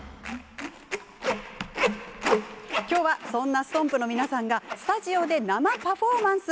今日はそんなＳＴＯＭＰの皆さんがスタジオで生パフォーマンス。